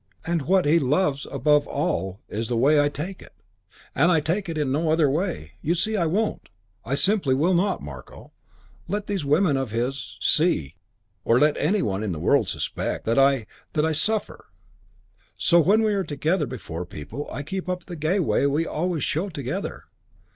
And what he loves above all is the way I take it; and I can take it in no other way. You see I won't, I simply will not, Marko, let these women of his see or let any one in the world suspect that I that I suffer. So when we are together before people I keep up the gay way we always show together.